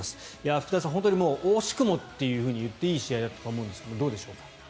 福田さん、本当に惜しくもっていっていい試合だと思うんですがどうでしょう。